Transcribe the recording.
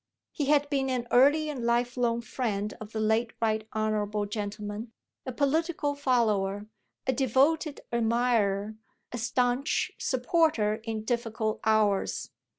He had been an early and lifelong friend of the late right honourable gentleman, a political follower, a devoted admirer, a stanch supporter in difficult hours.